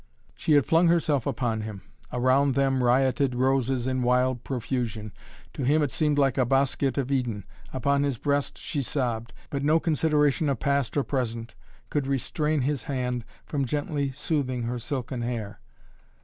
She had flung herself upon him. Around them rioted roses in wild profusion. To him it seemed like a bosquet of Eden. Upon his breast she sobbed. But no consideration of past or present could restrain his hand from gently soothing her silken hair.